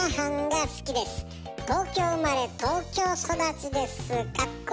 東京生まれ東京そだちです。」。